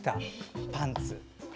パンツ。